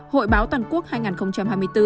hội báo toàn quốc hai nghìn hai mươi bốn